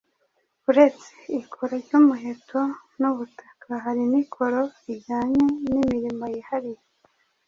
Uretse ikoro ry'umuheto n'ubutaka, hari n'ikoro rijyanye n'imirimo yihariye